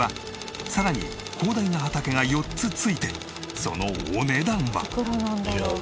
さらに広大な畑が４つ付いてそのお値段は。